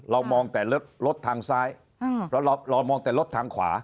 มองแต่รถทางซ้ายแล้วเรามองแต่รถทางขวา